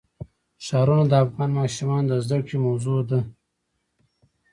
ښارونه د افغان ماشومانو د زده کړې موضوع ده.